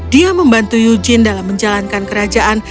dia membantu eugene dalam menjalankan kerajaan